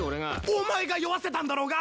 お前が酔わせたんだろうが！